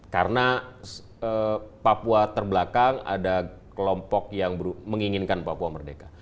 karena papua terbelakang ada kelompok yang menginginkan papua merdeka